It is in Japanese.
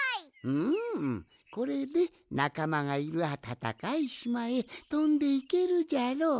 うむこれでなかまがいるあたたかいしまへとんでいけるじゃろう。